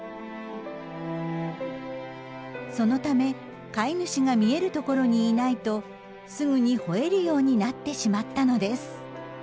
そのため飼い主が見えるところにいないとすぐにほえるようになってしまったのです。